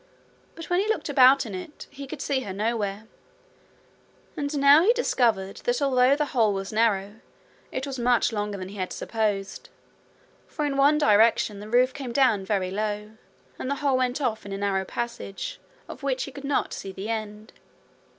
But when he looked about in it, he could see her nowhere. And now he discovered that although the hole was narrow, it was much longer than he had supposed; for in one direction the roof came down very low, and the hole went off in a narrow passage, of which he could not see the end.